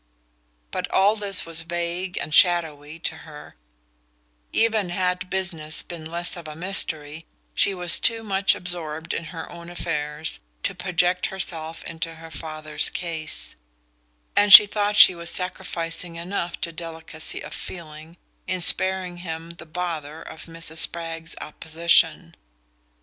But all this was vague and shadowy to her Even had "business" been less of a mystery, she was too much absorbed in her own affairs to project herself into her father's case; and she thought she was sacrificing enough to delicacy of feeling in sparing him the "bother" of Mrs. Spragg's opposition.